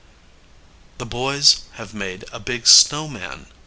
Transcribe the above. ] The boys have made a big snow man.